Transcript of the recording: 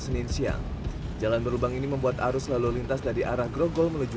senin siang jalan berlubang ini membuat arus lalu lintas dari arah grogol menuju